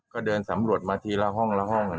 ก็เดินสำรวจมาทีละห้องละห้อง